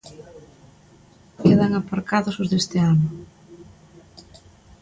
Quedan aparcados os deste ano.